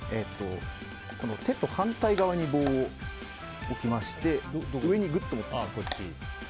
手と反対側に棒を置きまして上にぐっと持ってきます。